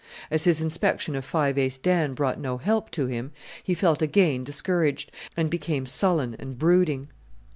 As his inspection of Five Ace Dan brought no help to him he felt again discouraged, and became sullen and brooding.